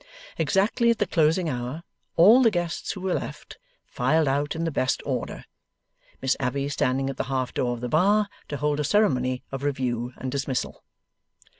Exactly at the closing hour, all the guests who were left, filed out in the best order: Miss Abbey standing at the half door of the bar, to hold a ceremony of review and dismissal.